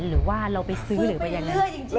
หรือว่าเราไปซื้อหรือไปอย่างนั้น